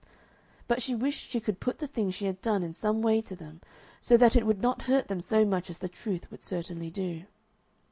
But she wished she could put the thing she had done in some way to them so that it would not hurt them so much as the truth would certainly do.